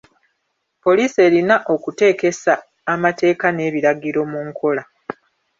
Poliisi erina okuteekesa amateeka n'ebiragiro mu nkola.